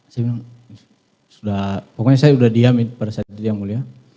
saya bilang pokoknya saya sudah diam pada saat itu yang mulia